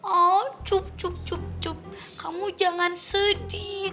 oh cup cup cup kamu jangan sedih